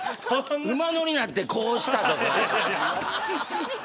馬乗りになってこうしたとか。